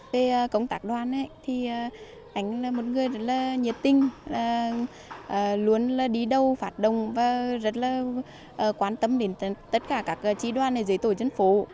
về công tác đoàn thì anh là một người rất là nhiệt tinh luôn đi đâu phát đồng và rất là quan tâm đến tất cả các trí đoàn dưới tổ chân phố